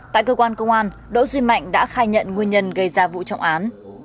tại cơ quan công an đỗ duy mạnh đã khai nhận nguyên nhân gây ra vụ trọng án